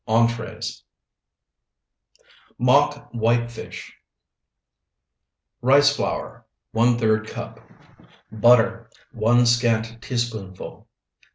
ENTREES MOCK WHITE FISH Rice flour, ⅓ cup. Butter, 1 scant teaspoonful.